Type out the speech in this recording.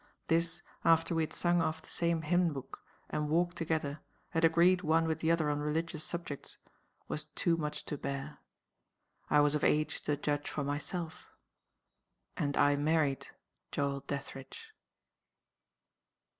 This, after we had sung off the same hymn book, and walked together, and agreed one with the other on religious subjects, was too much to bear. I was of age to judge for myself. And I married Joel Dethridge."